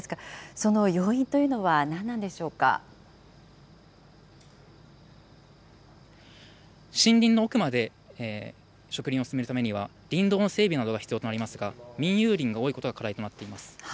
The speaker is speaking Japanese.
その要因という森林の奥まで植林を進めるためには、林道の整備などが必要となりますが、民有林が多いことが課題となっています。